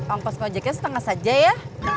ongkos kojeknya setengah saja ya